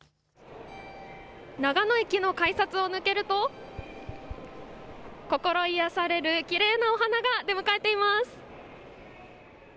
長野駅の改札を抜けると心癒やされるきれいなお花が出迎えています。